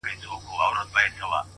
• دا د مرګي له چېغو ډکه شپېلۍ,